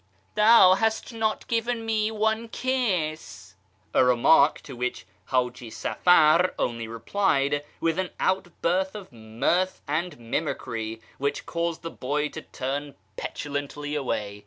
(" Thou hast not given me one kiss ")— a remark to which Haji Safar only replied with an outburst of mirth and mimicry, which caused the boy to turn petulantly away.